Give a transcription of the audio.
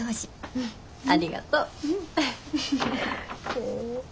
うんありがとう。